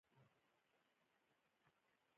د ورځې په پای کې خپل بریاوې یاداښت کړه.